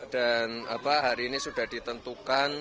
dan hari ini sudah ditentukan